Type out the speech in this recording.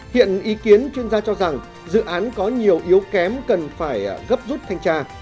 hiện ý kiến chuyên gia cho rằng dự án có nhiều yếu kém cần phải gấp rút thanh tra